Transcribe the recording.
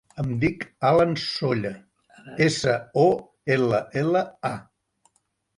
Em dic Aran Solla: essa, o, ela, ela, a.